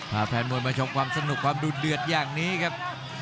พาแฟนมวยมาชมความสนุกความดูดเดือดอย่างนี้ครับ